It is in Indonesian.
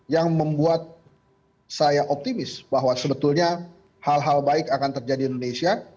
yang membuat saya optimis bahwa sebetulnya hal hal baik akan terjadi di indonesia